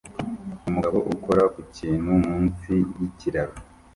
Umugabo ukora ku kintu munsi yikiraro